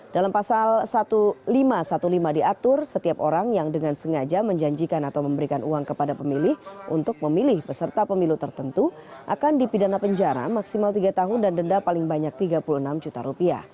dalam pasal satu lima ratus lima belas diatur setiap orang yang dengan sengaja menjanjikan atau memberikan uang kepada pemilih untuk memilih peserta pemilu tertentu akan dipidana penjara maksimal tiga tahun dan denda paling banyak rp tiga puluh enam juta